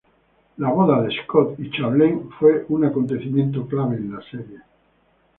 La boda de Scott y Charlene fue un acontecimiento clave en la serie.